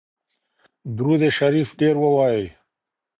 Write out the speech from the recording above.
درود شریف ډیر ووایئ.